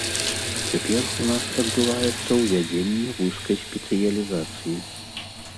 Цяпер у нас адбываецца ўвядзенне вузкай спецыялізацыі.